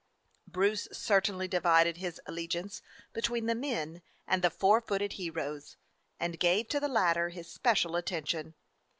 Bruce certainly divided his alle giance between the men and the four footed heroes, and gave to the latter his special at tention.